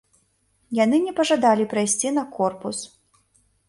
Яны не пажадалі прайсці на корпус.